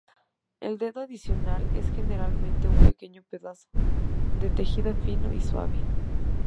El dedo adicional es generalmente un pequeño pedazo de tejido fino y suave.